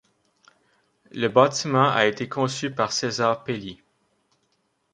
Le bâtiment a été conçu par Cesar Pelli.